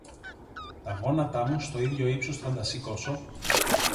Τα γόνατα μου στο ίδιο ύψος θα τα σηκώσω